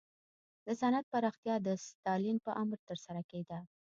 د صنعت پراختیا د ستالین په امر ترسره کېده.